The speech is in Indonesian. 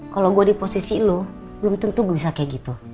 kalau gue di posisi lo belum tentu gue bisa kayak gitu